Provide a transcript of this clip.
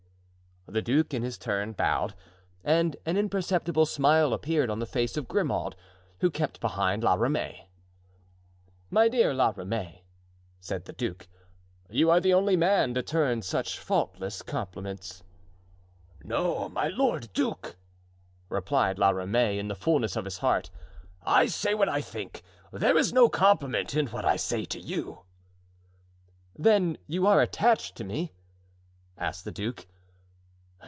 The duke, in his turn, bowed, and an imperceptible smile appeared on the face of Grimaud, who kept behind La Ramee. "My dear La Ramee," said the duke, "you are the only man to turn such faultless compliments." "No, my lord duke," replied La Ramee, in the fullness of his heart; "I say what I think; there is no compliment in what I say to you——" "Then you are attached to me?" asked the duke.